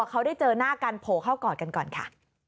เขาได้เจอหน้ากันโผล่เข้ากอดกันก่อนค่ะ